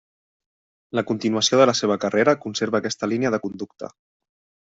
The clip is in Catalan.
La continuació de la seva carrera conserva aquesta línia de conducta.